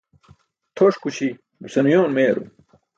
Tʰoṣkuśi besan uyoon meyarum.